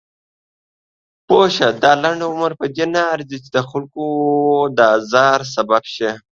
پوهه شه! دا لنډ عمر پدې نه ارزي چې دخلکو د ازار سبب شئ.